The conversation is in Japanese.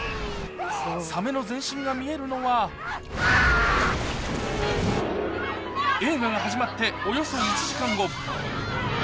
サメの全身が見えるのは、映画が始まっておよそ１時間後。